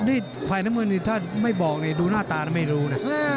นี่ฝ่ายน้ำเงินนี่ถ้าไม่บอกนี่ดูหน้าตาไม่รู้นะ